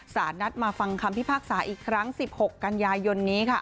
สารนัดมาฟังคำพิพากษาอีกครั้ง๑๖กันยายนนี้ค่ะ